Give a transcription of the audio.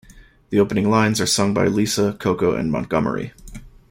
The opening lines are sung by Lisa, Coco and Montgomery.